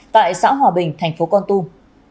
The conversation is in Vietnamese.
tại xã hòa bình thành phố con tum